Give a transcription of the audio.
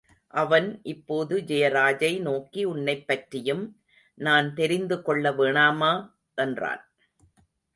அவன் இப்போது ஜெயராஜை நோக்கி உன்னைப்பற்றியும் நான் தெரிந்து கொள்ள வேணாமா? என்றான்.